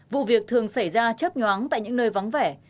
vụ việc thường xảy ra chấp nhoáng tại những nơi vắng vẻ